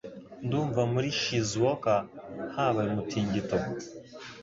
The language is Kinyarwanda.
Ndumva muri Shizuoka habaye umutingito.